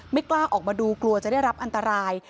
กล้าออกมาดูกลัวจะได้รับอันตราย